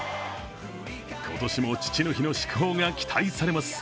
今年も父の日の祝砲が期待されます。